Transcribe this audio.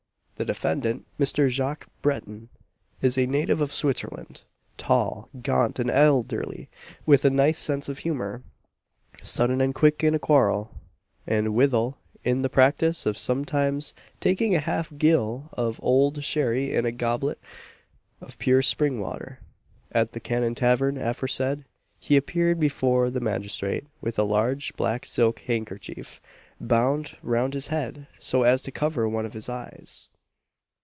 The defendant, Mr. Jacques Breton, is a native of Switzerland; tall, gaunt, and elderly, with a nice sense of honour, "sudden and quick in quarrel," and, withal, in the practice of sometimes taking a half gill of old sherry in a goblet of pure spring water, at the Cannon Tavern aforesaid. He appeared before the magistrate with a large black silk handkerchief bound round his head, so as to cover one of his eyes.